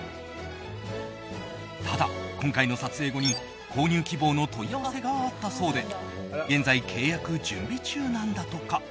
ただ、今回の撮影後に購入希望の問い合わせがあったそうで現在、契約準備中なんだとか。